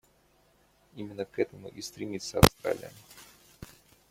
Именно к этому и стремится Австралия.